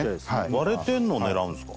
割れてんのを狙うんすか？